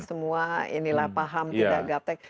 semua inilah paham tidak gap tech